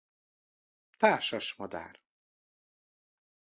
Társas madár.